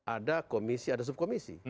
ada komisi ada subkomisi